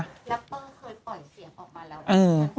รัปเปอร์เคยปล่อยเสียงออกมาแล้ว